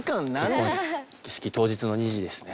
結婚式当日の２時ですね。